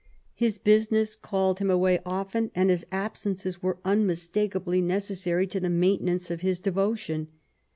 His business called him away often, and his absences were unmistakably necessary to the maintenance of his devotion.